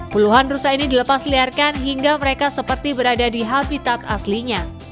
puluhan rusa ini dilepas liarkan hingga mereka seperti berada di habitat aslinya